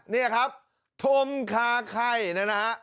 นี่นะครับทมคาไข่นั่น